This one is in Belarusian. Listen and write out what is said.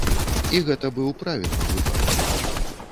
І гэта быў правільны выбар.